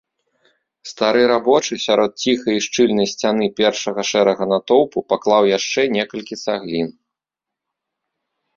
Стары рабочы, сярод ціхай і шчыльнай сцяны першага шэрага натоўпу, паклаў яшчэ некалькі цаглін.